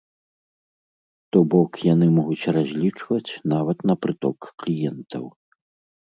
То бок, яны могуць разлічваць нават на прыток кліентаў.